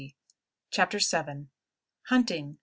CHAPTER VII. Hunting.